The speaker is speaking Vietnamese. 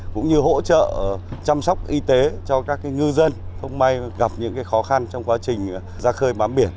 cũng như hỗ trợ chăm sóc y tế cho các ngư dân không may gặp những khó khăn trong quá trình ra khơi bám biển